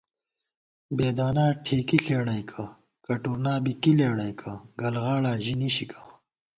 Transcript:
بېدانا ٹھېکی ݪېڑَئیکہ، کٹُورنا بی کی لېڑَئیکہ گلغاڑا ژی نِشِکہ